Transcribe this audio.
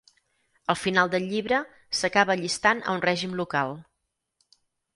Al final del llibre, s'acaba allistant a un règim local.